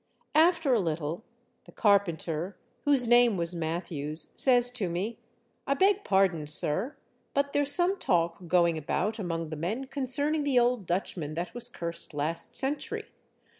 After a little, the carpenter, whose name was Matthews, says to me, " I beg pardon, sir, but there's some talk going about among the men concerning the old Dutchman that was cursed last century.